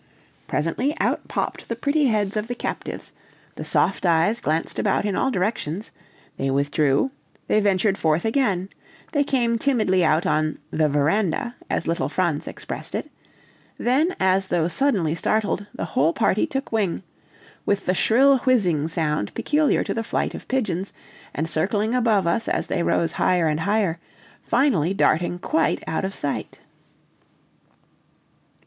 Presently out popped the pretty heads of the captives, the soft eyes glanced about in all directions; they withdrew, they ventured forth again, they came timidly out on "the veranda," as little Franz expressed it; then, as though suddenly startled, the whole party took wing, with the shrill whizzing sound peculiar to the flight of pigeons, and circling above us as they rose higher and higher, finally darting quite out of sight.